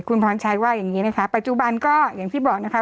คุณพรชัยว่าอย่างนี้นะคะปัจจุบันก็อย่างที่บอกนะคะ